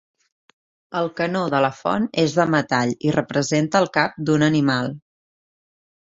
El canó de la font és de metall i representa el cap d'un animal.